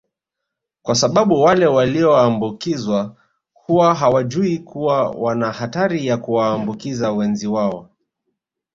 kwa sababu wale walioambukizwa huwa hawajui kuwa wana hatari ya kuwaambukiza wenzi wao